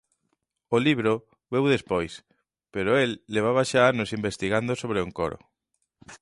O libro veu despois, pero el levaba xa anos investigando sobre o encoro.